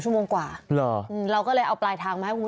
ชั่วโมงกว่าเหรอเราก็เลยเอาปลายทางมาให้คุณผู้ชม